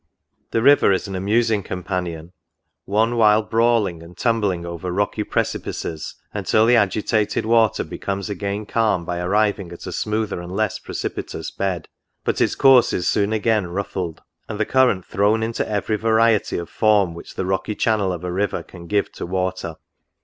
The river is an amusing companion, one while brawling and tumbling over rocky precipices, until the agi tated water becomes again calm by arriving at a smoother and less precipitous bed, but its course is soon again ruffled, and the current thrown into every variety of form which the rocky channel of a river can give to water."